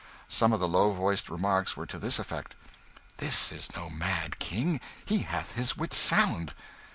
Some of the low voiced remarks were to this effect "This is no mad king he hath his wits sound."